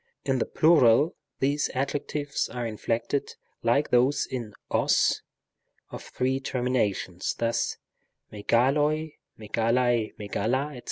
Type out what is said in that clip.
In the plural these adjectives are inflected like those in os of three terminations, thus : μεγάλοι, at, a, etc.